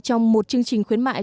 trong một chương trình khuyến mại